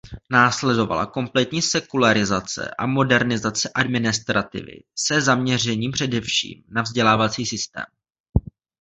Následovala kompletní sekularizace a modernizace administrativy se zaměřením především na vzdělávací systém.